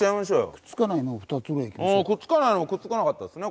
くっつかないのはくっつかなかったですね。